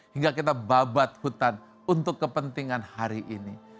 hingga kita babat hutan untuk kepentingan hari ini